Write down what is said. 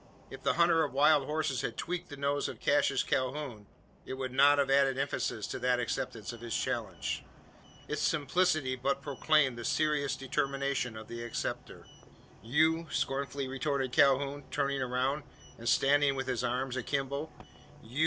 If the hunter of wild horses had tweaked the nose of Cassius Calhoun, it would not have added emphasis to that acceptance of his challenge. Its simplicity but proclaimed the serious determination of the acceptor. "You?" scornfully retorted Calhoun, turning round, and standing with his arms akimbo. "You?"